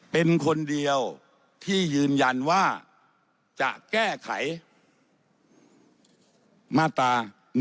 เป็นคนเดียวที่ยืนยันว่าจะแก้ไขมาตรา๑๑